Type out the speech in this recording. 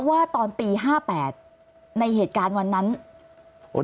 ว่าตอนปี๕๘ในเหตุการณ์วันนั้น